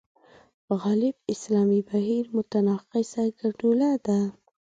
غالب اسلامي بهیر متناقضه ګډوله ده.